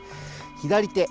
左手